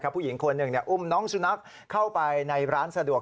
ผู้หญิงคนหนึ่งอุ้มน้องสุนัขเข้าไปในร้านสะดวก